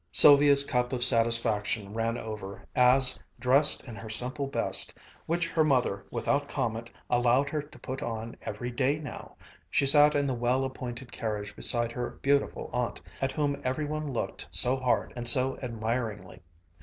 Sylvia's cup of satisfaction ran over as, dressed in her simple best, which her mother without comment allowed her to put on every day now, she sat in the well appointed carriage beside her beautiful aunt, at whom every one looked so hard and so admiringly.